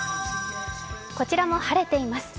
こちらも晴れています。